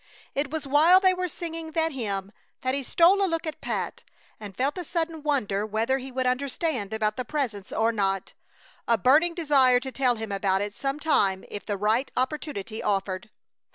It was while they were singing that hymn that he stole a look at Pat, and felt a sudden wonder whether he would understand about the Presence or not, a burning desire to tell him about it some time if the right opportunity offered.